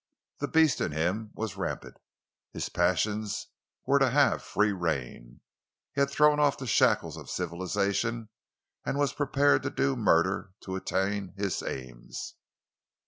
The beast in him was rampant; his passions were to have free rein; he had thrown off the shackles of civilization and was prepared to do murder to attain his aims.